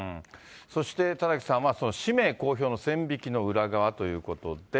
そして田崎さんは氏名公表の線引きの裏側ということで。